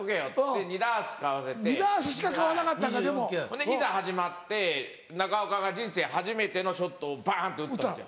でいざ始まって中岡が人生初めてのショットをバンって打ったんですよ。